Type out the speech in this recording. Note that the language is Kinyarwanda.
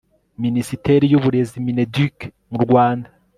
MInisiteri y Uburezi MINEDUC mu Rwanda